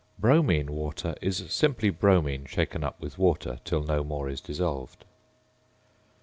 ~"Bromine Water"~ is simply bromine shaken up with water till no more is dissolved.